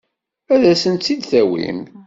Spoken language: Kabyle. Ad asen-tt-id-tawim?